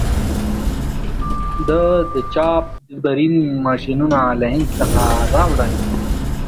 ده د چاپ ډبرین ماشینونه له هند څخه راوړل.